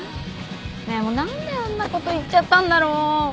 ねえもう何であんなこと言っちゃったんだろ。